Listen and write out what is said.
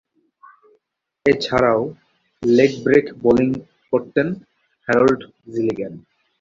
এছাড়াও, leg break bowling করতেন Harold Gilligan.